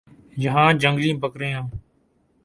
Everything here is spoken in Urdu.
یہاں جنگلی بکریاں